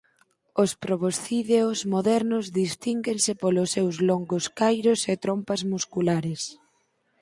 Os proboscídeos modernos distínguense polos seus longos cairos e trompas musculares.